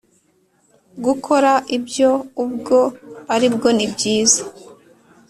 gukora ibyo ubwo ari bwo nibyiza